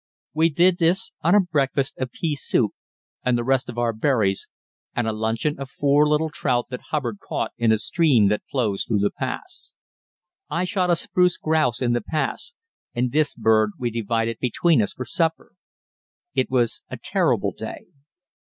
We did this on a breakfast of pea soup and the rest of our berries, and a luncheon of four little trout that Hubbard caught in the stream that flows through the pass. I shot a spruce grouse in the pass, and this bird we divided between us for supper. It was a terrible day.